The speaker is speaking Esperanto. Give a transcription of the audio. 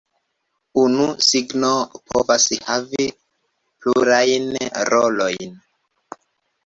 Unu signo povas havi plurajn rolojn.